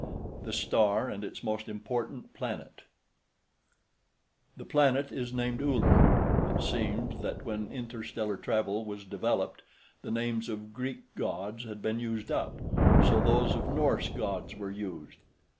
THE STAR AND ITS MOST IMPORTANT PLANET The planet is named Uller (it seems that when interstellar travel was developed, the names of Greek Gods had been used up, so those of Norse gods were used).